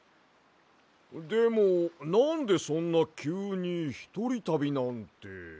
でもなんでそんなきゅうにひとりたびなんて。